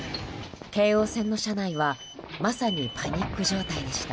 京王線の車内はまさにパニック状態でした。